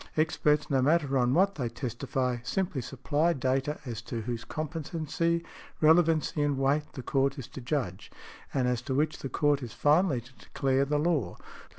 Experts, no matter on what |116| they testify, simply supply data, as to whose competency, relevancy and weight, the Court is to judge, and as to which the Court is finally to declare the law.